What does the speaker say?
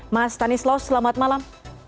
mas stanislaus selamat malam